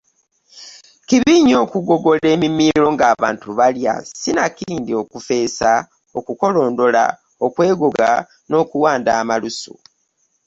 Kibi nnyo okugogola emimiro ng’abantu balya, sinakindi okufeesa, okukolondola, okwegoga n’okuwanda amalusu.